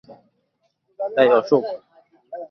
এই, অশোক।